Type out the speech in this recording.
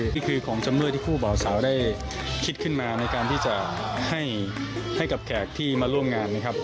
นี่คือของจำเลยที่คู่บ่าวสาวได้คิดขึ้นมาในการที่จะให้กับแขกที่มาร่วมงานนะครับ